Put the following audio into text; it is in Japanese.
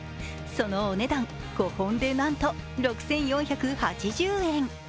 そのお値段、５本でなんと６４８０円。